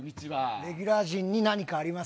レギュラー陣に何かあります